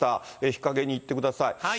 日陰に行ってください。